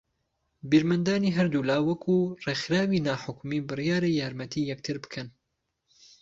بیرمەندانی ھەردوولا وەكوو رێكخراوی ناحكومی بڕیارە یارمەتی یەكتر بكەن